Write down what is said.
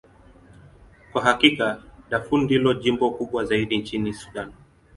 Kwa hakika, Darfur ndilo jimbo kubwa zaidi nchini Sudan.